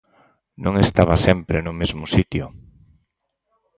Non estaba sempre no mesmo sitio.